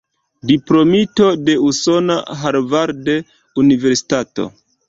Diplomito de usona Harvard-universitato.